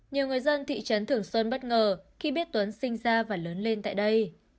nhiều người dân thị trấn thường xuân bất ngờ khi biết tuấn sinh ra và lớn lên tại đây